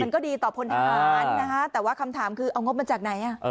ต่อผลฐานมันนะฮะแต่ว่าคำถามคือเอางบมันจากไหนอ่ะ